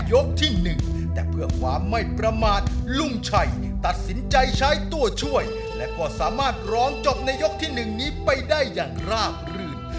ที่๑แต่เพื่อความไม่ประมาทลุงชัยตัดสินใจใช้ตัวช่วยและก็สามารถร้องจบในยกที่๑นี้ไปได้อย่างราบรื่น